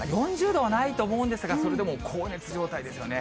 ４０度はないと思うんですが、それでも高熱状態ですよね。